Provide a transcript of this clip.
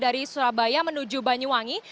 dari surabaya menuju banyuwangi